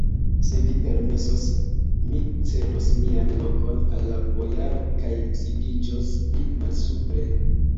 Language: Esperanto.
Se vi permesos, mi cedos mian lokon al la bojaro kaj sidiĝos pli malsupren.